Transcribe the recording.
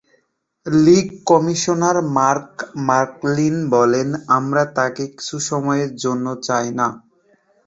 League commissioner Mac McLean বলেন, "আমরা তাকে কিছু সময়ের জন্য চাই না"।